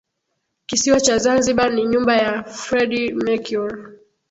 Kisiwa cha Zanzibar ni nyumba ya Freddie Mercury